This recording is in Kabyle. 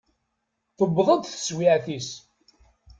Tewweḍ-d teswiɛt-is.